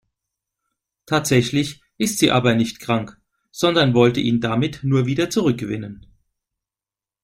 Tatsächlich ist sie aber nicht krank, sondern wollte ihn damit nur wieder zurückgewinnen.